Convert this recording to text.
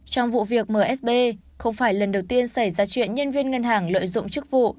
trong vụ việc msb không phải lần đầu tiên xảy ra chuyện nhân viên ngân hàng lợi dụng chức vụ